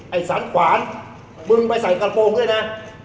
สันขวานมึงไปใส่กระโปรงด้วยนะ